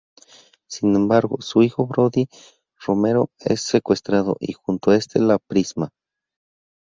Sin embargo, su hijo, Brody Romero es secuestrado y junto a este la prisma.